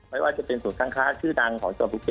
ไม่ว่าจะเป็นศูนย์ค้างค้าชื่อดังของจังหวัดภูเก็ต